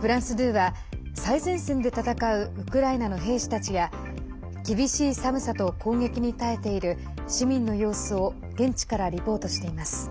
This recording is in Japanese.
フランス２は最前線で戦うウクライナの兵士たちや厳しい寒さと攻撃に耐えている市民の様子を現地からリポートしています。